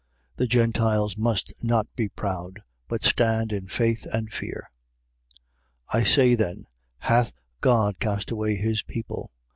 The Gentiles must not be proud but stand in faith and fear. 11:1. I say then: Hath God cast away his people?